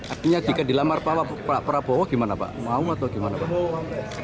artinya jika dilamar pak prabowo gimana pak mau atau gimana pak